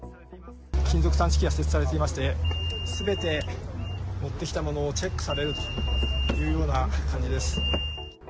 金属探知機が設置されていまして、すべて持ってきたものをチェックされるというような感じです。